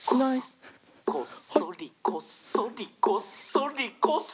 「こっそりこっそりこっそりこっそり」